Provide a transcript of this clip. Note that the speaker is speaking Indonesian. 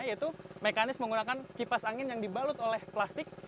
yaitu mekanis menggunakan kipas angin yang dibalut oleh plastik